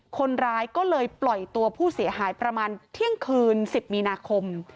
คนร้ายก็เลยปล่อยตัวผู้เสียหายประมาณเที่ยงคืน๑๐มีนาคม